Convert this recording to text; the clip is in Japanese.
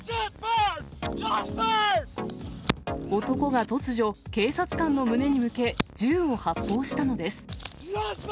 男が突如、警察官の胸に向け、銃を発砲したのです。